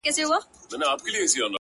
هوا توده ده